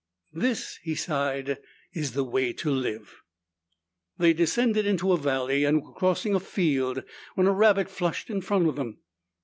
"This," he sighed, "is the way to live!" They descended into a valley and were crossing a field when a rabbit flushed in front of them.